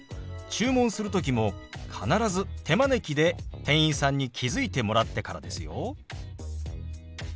注文する時も必ず手招きで店員さんに気付いてもらってからですよ。